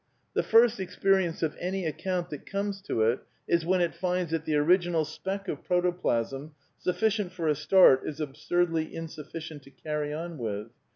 The first experience of any account that comes to it is when it finds that the original speck of protoplasm, sufficient for a start, is absurdly insufficient to carry on with.